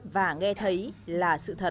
và nghe thấy là sự thật